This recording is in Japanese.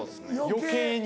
余計に。